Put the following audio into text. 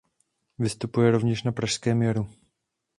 Vystupuje rovněž na Pražském jaru.